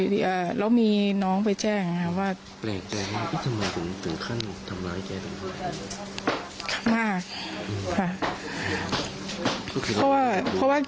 พี่เรามีน้องไปแจ้งนะว่า